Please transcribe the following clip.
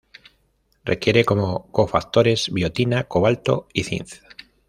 Requiere como cofactores biotina, cobalto y zinc.